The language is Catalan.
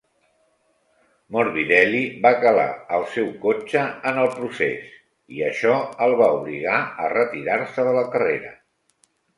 Morbidelli va calar el seu cotxe en el procés, i això el va obligar a retirar-se de la carrera.